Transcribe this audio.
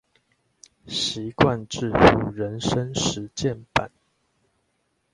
習慣致富人生實踐版